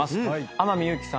天海祐希さん